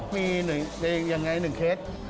มีอย่างไรหนึ่งเคส